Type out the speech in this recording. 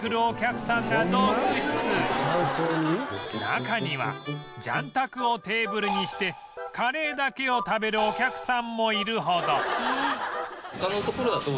中には雀卓をテーブルにしてカレーだけを食べるお客さんもいるほど